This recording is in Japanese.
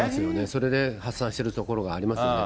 それで発散してるところがありますよね。